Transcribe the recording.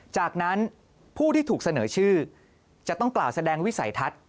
จากนั้นผู้ที่ถูกเสนอชื่อจะต้องกล่าวแสดงวิสัยทัศน์